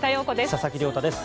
佐々木亮太です。